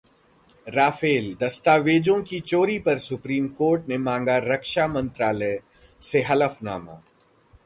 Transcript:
Rafale: दस्तावेजों की चोरी पर सुप्रीम कोर्ट ने मांगा रक्षा मंत्रालय से हलफनामा